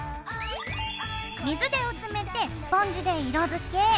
水で薄めてスポンジで色づけ。